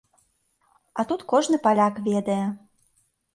А тут кожны паляк ведае.